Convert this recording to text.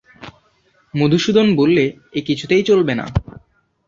মধুসূদন বললে, এ কিছুতেই চলবে না।